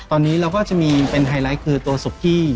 ตอนนี้เราก็จะมีเป็นไฮไลท์คือตัวสุกี้